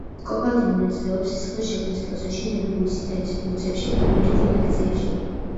კობალტი მონაწილეობს სისხლის შექმნის პროცესში, ნერვიული სისტემის ფუნქციებში, ფერმენტულ რეაქციებში.